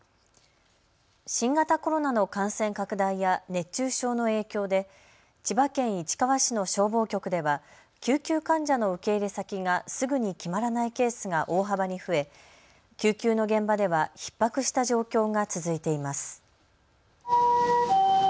新型コロナの感染拡大や熱中症の影響で千葉県市川市の消防局では救急患者の受け入れ先がすぐに決まらないケースが大幅に増え救急の現場ではひっ迫した状況が続いています。